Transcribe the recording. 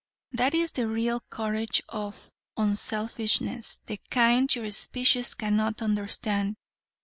That is the real courage of unselfishness the kind your species cannot understand.